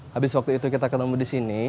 habis waktu itu kita ketemu disini